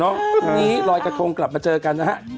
วันนี้ลอยกระทงกลับมาเจอกันนะฮะ